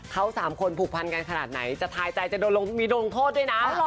เขาสามคนผูกพันกันขนาดไหนจะทายใจจะมีโดนโทษด้วยนะ